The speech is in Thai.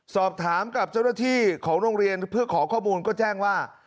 สอบถามกับเจ้าหน้าที่ของโรงเรียนเพื่อขอข้อมูลก็แจ้งว่า